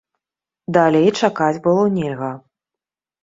Далей чакаць было нельга.